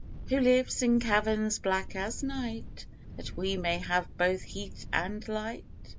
Who lives in caverns black as night That we may have both heat and light?